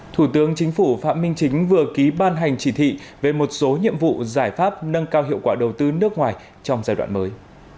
thủ tướng chính phủ phạm minh chính vừa ký ban hành chỉ thị về một số nhiệm vụ giải pháp nâng cao hiệu quả đầu tư nước ngoài trong giai đoạn mới